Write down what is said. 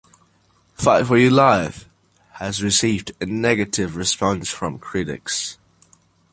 "Fight for Your Life" has received a negative response from critics.